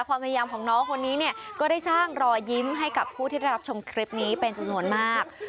ความพยายามของน้องคนนี้เนี่ยก็ได้สร้างรอยยิ้มให้กับผู้ที่ได้รับชมคลิปนี้เป็นจำนวนมาก